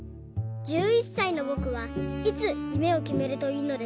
１１さいのぼくはいつゆめをきめるといいのですか？」。